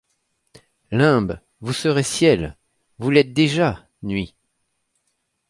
Limbes, vous serez ciel ! Vous l’êtes déjà, nuit !